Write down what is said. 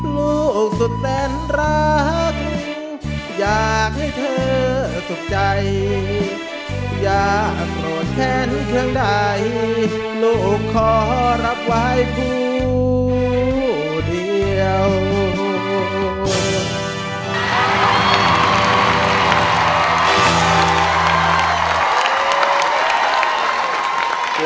ลูกสุดแน่นรักอยากให้เธอสุขใจ